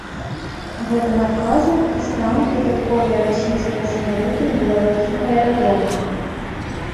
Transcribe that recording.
Гэтым адказам і стануць дадатковыя расійскія самалёты на беларускіх аэрадромах.